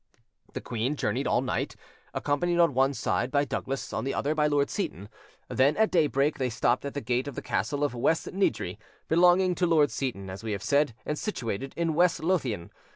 The queen journeyed all night, accompanied on one side by Douglas, on the other by Lord Seyton; then, at daybreak, they stopped at the gate of the castle of West Niddrie, belonging to Lord Seyton, as we have said, and situated in West Lothian.